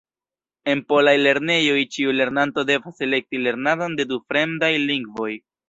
En polaj lernejoj ĉiu lernanto devas elekti lernadon de du fremdaj lingvoj.